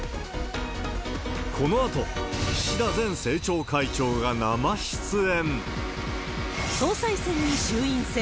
このあと、岸田前政調会長が生出演。